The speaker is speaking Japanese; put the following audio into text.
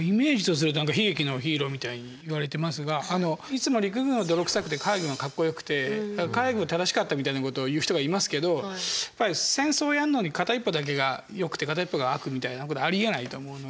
みたいに言われてますがいつも陸軍は泥臭くて海軍はかっこよくて「海軍は正しかった」みたいなことを言う人がいますけどやっぱり戦争をやるのに片一方だけが良くて片一方が悪みたいなことはありえないと思うので。